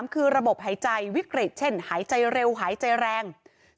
คือระบบหายใจวิกฤตเช่นหายใจเร็วหายใจแรง